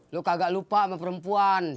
lu kagak lupa sama perempuan